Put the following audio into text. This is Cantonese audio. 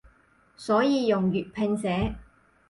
所以用粵拼寫